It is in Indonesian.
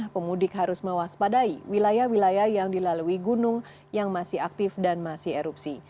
pemudik harus mewaspadai wilayah wilayah yang dilalui gunung yang masih aktif dan masih erupsi